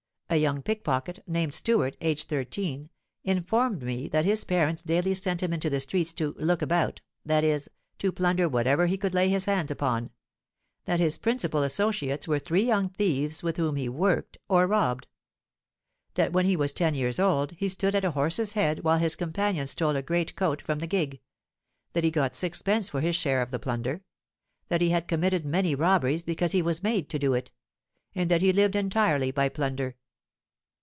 A young pickpocket, named Stuart, aged 13, informed me that his parents daily sent him into the streets to 'look about,' that is, to plunder whatever he could lay his hands upon; that his principal associates were three young thieves with whom he 'worked,' or robbed; that when he was 10 years old he stood at a horse's head while his companion stole a great coat from the gig; that he got sixpence for his share of the plunder; that he had committed many robberies because he was made to do it; and that he lived entirely by plunder.